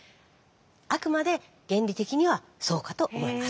あくまで原理的にはそうかと思います。